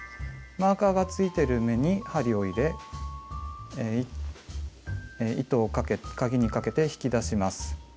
マーカーがついてる目に針を入れ糸をかぎにかけて引き出します。